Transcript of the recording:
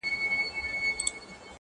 زاهده پرې مي ږده ځواني ده چي دنیا ووینم،